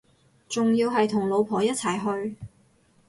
仲要係同老婆一齊去